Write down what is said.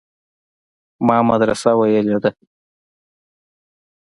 ما مدرسه ويلې ده.